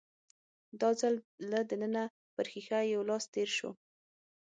دا ځل له دننه پر ښيښه يو لاس تېر شو.